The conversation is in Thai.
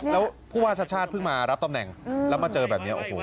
แล้วผู้ว่าชาติชาติเพิ่งมารับตำแหน่งแล้วมาเจอแบบนี้โอ้โห